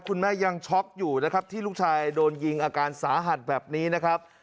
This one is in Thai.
คุณแม่ยังช็อกอยู่นะครับที่ลูกชายโดนยิงอาการสาหัสแบบนี้นะครับ